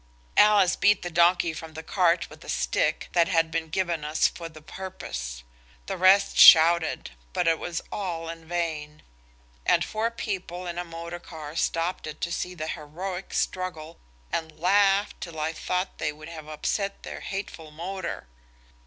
Alice beat the donkey from the cart with a stick that had been given us for the purpose. The rest shouted. But it was all in vain. And four people in a motor car stopped it to see the heroic struggle, and laughed till I thought they would have upset their hateful motor.